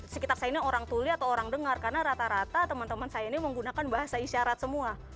sekitar saya ini orang tuli atau orang dengar karena rata rata teman teman saya ini menggunakan bahasa isyarat semua